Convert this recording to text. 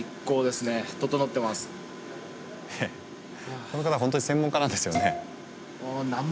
えっこの方ホントに専門家なんですよね？